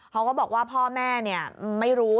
เขาก็บอกว่าพ่อแม่ไม่รู้